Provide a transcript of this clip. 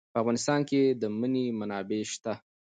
په افغانستان کې د منی منابع شته.